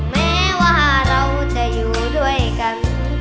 แม้ว่าเราจะอยู่ด้วยกัน